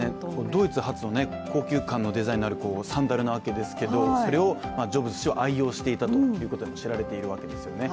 ドイツ発の高級感のデザインのあるサンダルですけど、それをジョブズ氏は愛用していたということで知られているわけですね。